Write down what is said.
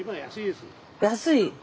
安い？